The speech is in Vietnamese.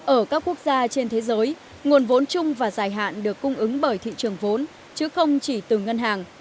ở các quốc gia trên thế giới nguồn vốn chung và dài hạn được cung ứng bởi thị trường vốn chứ không chỉ từ ngân hàng